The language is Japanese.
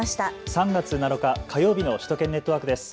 ３月７日火曜日の首都圏ネットワークです。